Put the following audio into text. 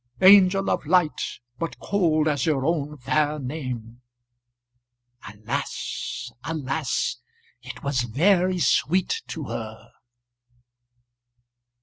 "Angel of light! but cold as your own fair name." Alas, alas! it was very sweet to her!